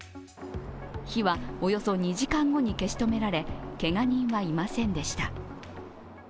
火はおよそ２時間後に消し止められけが人はいませんでした。